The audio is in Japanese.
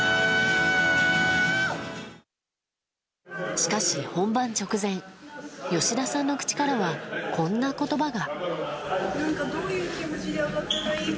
しかし本番直前吉田さんの口からはこんな言葉が。